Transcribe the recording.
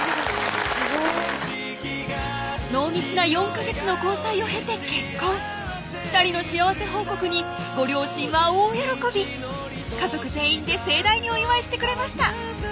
濃密な４ヵ月の交際を経て結婚２人の幸せ報告にご両親は大喜び家族全員で盛大にお祝いしてくれました